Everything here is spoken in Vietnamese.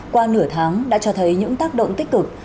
qua nửa tháng đã cho thấy những tác động tích cực